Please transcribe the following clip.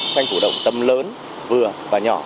tranh phủ động tầm lớn vừa và nhỏ